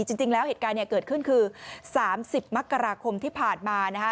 จริงแล้วเหตุการณ์เนี่ยเกิดขึ้นคือ๓๐มกราคมที่ผ่านมานะคะ